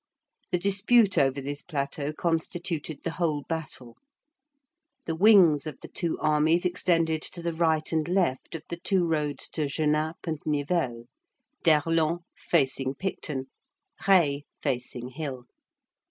The dispute over this plateau constituted the whole battle. The wings of the two armies extended to the right and left of the two roads to Genappe and Nivelles; d'Erlon facing Picton, Reille facing Hill.